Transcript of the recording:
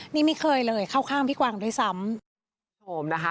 นี่ไม่เคยเลยเข้าข้างพี่กวางโดยซ้ำ